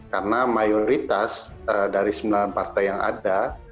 karena mayoritas dari sembilan partai yang ada